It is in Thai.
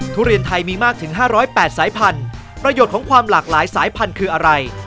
ทุเรียนไทยมีมากถึง๕๐๘สายพันธุ์ประโยชน์ของความหลากหลายสายพันธุ์คืออะไร